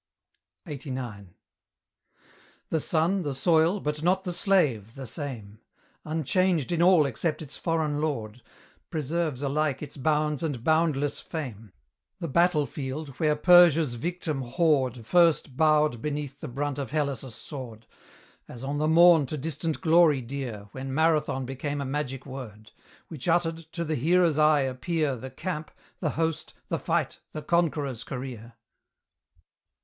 LXXXIX. The sun, the soil, but not the slave, the same; Unchanged in all except its foreign lord Preserves alike its bounds and boundless fame; The battle field, where Persia's victim horde First bowed beneath the brunt of Hellas' sword, As on the morn to distant Glory dear, When Marathon became a magic word; Which uttered, to the hearer's eye appear The camp, the host, the fight, the conqueror's career.